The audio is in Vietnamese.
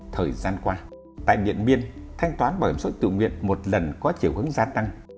thời gian qua tại miệng miên thanh toán bảo hiểm xã hội tự nguyện một lần có chiều hướng gia tăng